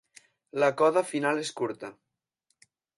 La coda final és curta.